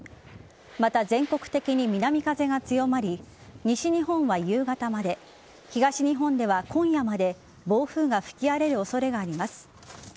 また全国的に南風が強まり西日本は夕方まで東日本では今夜まで暴風が吹き荒れる恐れがあります。